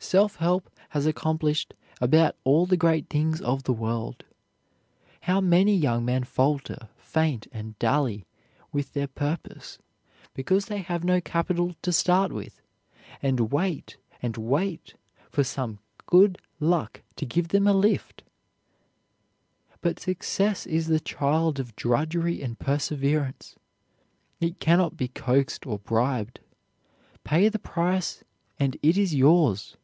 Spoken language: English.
Self help has accomplished about all the great things of the world. How many young men falter, faint, and dally with their purpose because they have no capital to start with, and wait and wait for some good luck to give them a lift! But success is the child of drudgery and perseverance. It cannot be coaxed or bribed; pay the price and it is yours.